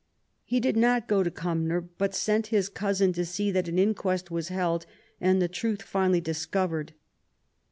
He did not go to Cumnor, but sent his cousin to see that an inquest was held and the truth fully discovered.